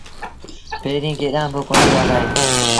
پيريݩ ڪڏهين با ڪونهيٚ ڳآلآئي